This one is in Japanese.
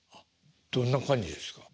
どんな感じですか？